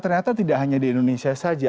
ternyata tidak hanya di indonesia saja